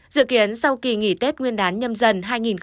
dự kiến sau kỳ nghỉ tết nguyên đán nhâm dần hai nghìn hai mươi một